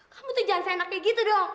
kamu tuh jangan seenak kayak gitu dong